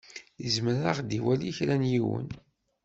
Izmer ad ɣ-d-iwali kra n yiwen.